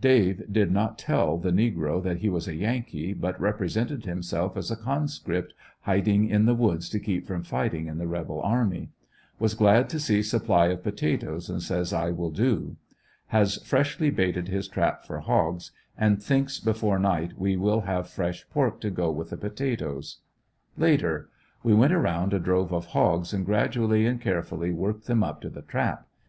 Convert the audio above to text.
Dave did not tell the ne gro that he was a yankee, but represented himself as a conscript hid ing in the woods to keep from fighting in the rebel army. Was glad to see supply of potatoes and says I will do. Has freshly baited his trap for hogs and thinks before night we will have fresh pork to go with the potatoes. Later. — We went around a drove of hogs and gradually and carefully worked them up to the trap.